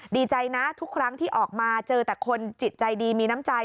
ดีใจนะทุกครั้งที่ออกมาเจอแต่คนจิตใจดีมีน้ำใจ